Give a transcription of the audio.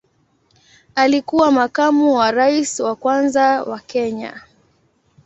Alikuwa makamu wa rais wa kwanza wa Kenya.